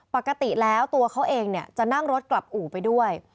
ปกติแล้วตัวเขาเองจะนั่งรถกลับอู่ไปด้วย